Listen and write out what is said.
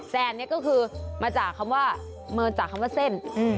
แซนนี่ก็คือมาจากคำว่าเส้น